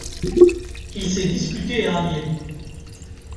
Il s'est disputé à Amiens.